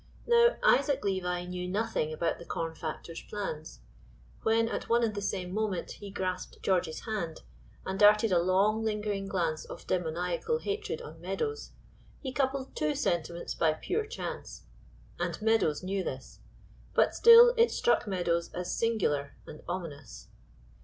Now Isaac Levi knew nothing about the corn factor's plans. When at one and the same moment he grasped George's hand, and darted a long, lingering glance of demoniacal hatred on Meadows, he coupled two sentiments by pure chance. And Meadows knew this; but still it struck Meadows as singular and ominous.